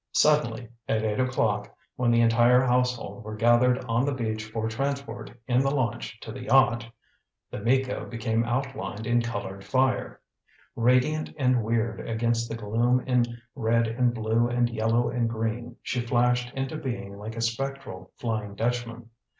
Suddenly at eight o'clock, when the entire household were gathered on the beach for transport in the launch to the yacht, The Miko became outlined in coloured fire. Radiant and weird against the gloom in red and blue and yellow and green, she flashed into being like a spectral Flying Dutchman.